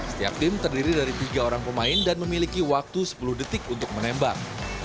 setiap tim terdiri dari tiga orang pemain dan memiliki waktu sepuluh detik untuk menembak